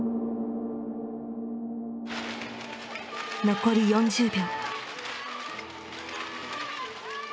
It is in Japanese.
残り４０秒。